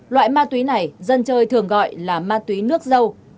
loại ma túy này dân chơi thường gọi là ma túy nước dâu